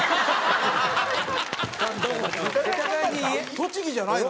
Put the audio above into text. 栃木じゃないの？